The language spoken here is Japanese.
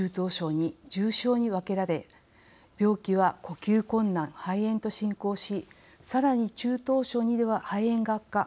２重症に分けられ病気は呼吸困難・肺炎と進行しさらに、中等症２では肺炎が悪化。